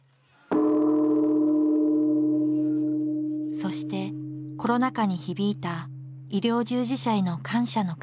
そしてコロナ禍に響いた医療従事者への感謝の鐘。